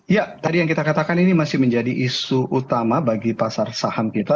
ya tadi yang kita katakan ini masih menjadi isu utama bagi pasar saham kita